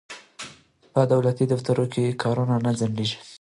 په دولتي دفترونو کې کارونه نه ځنډیږي.